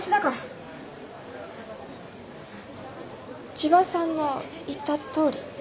千葉さんの言ったとおり。